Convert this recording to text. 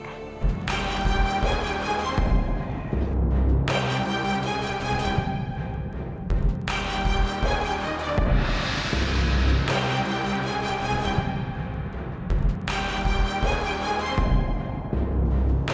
aku akan mencoba